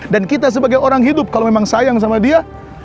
dan kita sebagai orang hidup kalau memang sayang sama dia